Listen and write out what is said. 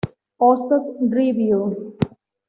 Hostos Review.